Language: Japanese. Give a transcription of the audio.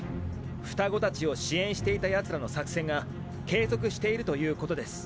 双子たちを支援していた奴らの作戦が継続しているということです。